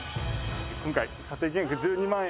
「今回査定金額１２万円で」